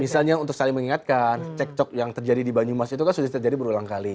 misalnya untuk saling mengingatkan cek cok yang terjadi di banyumas itu kan sudah terjadi berulang kali